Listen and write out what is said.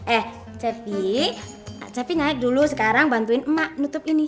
eh cepi cepi naik dulu sekarang bantuin emak nutup ini